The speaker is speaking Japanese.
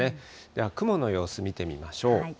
では雲の様子見てみましょう。